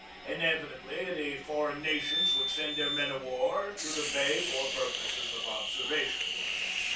Inevitably the for eign nations would send their men of war to the bay for purposes of observation.